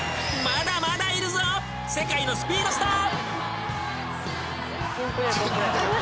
［まだまだいるぞ世界のスピードスター］